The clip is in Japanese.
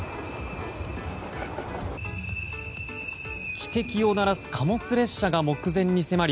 汽笛を鳴らす貨物列車が目前に迫り